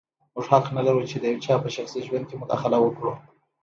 موږ حق نه لرو چې د یو چا په شخصي ژوند کې مداخله وکړو.